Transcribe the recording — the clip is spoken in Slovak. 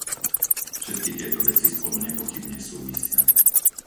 Všetky tieto veci spolu nepochybne súvisia.